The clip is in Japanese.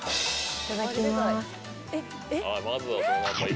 いただきます。